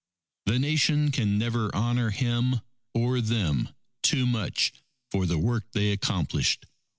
The Nation can never honour him or them, too much for the work they accomplished.